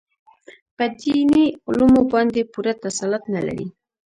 په دیني علومو باندې پوره تسلط نه لري.